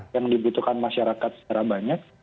yang dibutuhkan masyarakat secara banyak